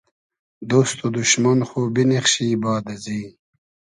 دۉست و دوشمۉن خو بینیخشی باد ازی